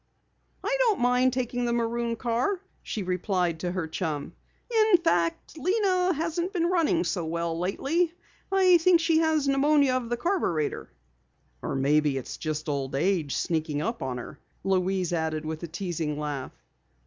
"I don't mind taking the maroon car," she replied to her chum. "In fact, Lena hasn't been running so well lately. I think she has pneumonia of the carburetor." "Or maybe it's just old age sneaking up on her!" Louise added with a teasing laugh.